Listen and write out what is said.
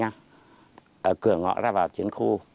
ở cửa ngõ ra vào chiến khu